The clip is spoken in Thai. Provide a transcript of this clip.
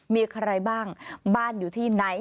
มีใครบ้างบ้านอยู่ที่ไหน